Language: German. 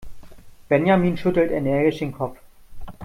Benjamin schüttelte energisch den Kopf.